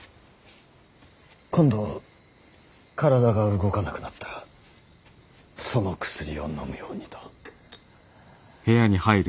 今度体が動かなくなったらその薬を飲むようにと。